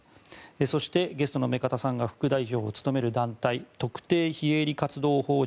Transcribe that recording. そして、ゲストの目加田さんが副代表を務める団体特定非営利活動法人